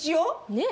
ねえ。